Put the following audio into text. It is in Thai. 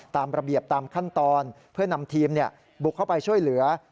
ตามระเบียบตามขั้นตอนเพื่อนำทีมบุกเข้าไปช่วยเหลือ